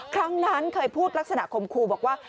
ครั้งนั้นเคยพูดลักษณะคมครูบอกว่า